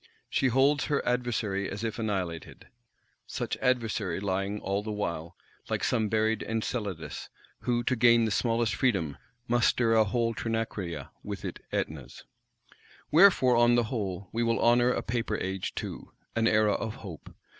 She holds her adversary as if annihilated; such adversary lying, all the while, like some buried Enceladus; who, to gain the smallest freedom, must stir a whole Trinacria with it Ætnas. Wherefore, on the whole, we will honour a Paper Age too; an Era of hope!